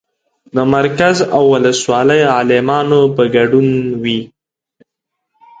د مرکز او ولسوالۍ عالمانو په ګډون وي.